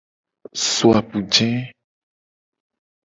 So apuje.